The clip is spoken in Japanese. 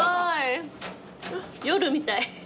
夜みたい。